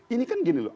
ini kan gini loh